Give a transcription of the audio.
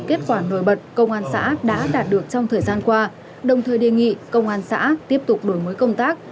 kết quả nổi bật công an xã đã đạt được trong thời gian qua đồng thời đề nghị công an xã tiếp tục đổi mới công tác